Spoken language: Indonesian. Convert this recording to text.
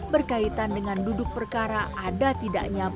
berkaitan dengan duduk perkara ada tidak nyamuk